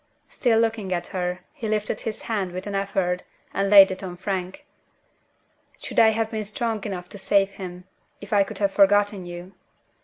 Still looking at her, he lifted his hand with an effort, and laid it on Frank. "Should I have been strong enough to save him, if I could have forgotten you?"